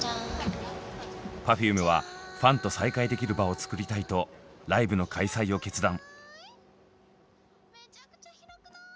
Ｐｅｒｆｕｍｅはファンと再会できる場をつくりたいとライブの開催を決断。